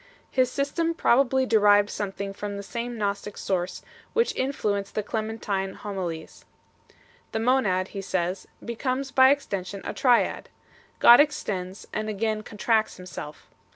His system pro bably derived something from the same Gnostic source which influenced the Clementine Homilies 2 . The Monad, he says, becomes by extension a Triad ; God extends and again con tracts Himself.